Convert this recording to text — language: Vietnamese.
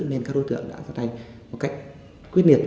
nên các đối tượng đã ra tay một cách quyết liệt